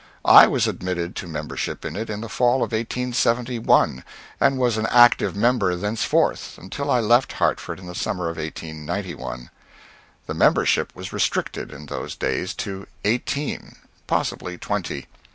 I was admitted to membership in it in the fall of 1871 and was an active member thenceforth until I left Hartford in the summer of 1891. The membership was restricted, in those days, to eighteen possibly twenty.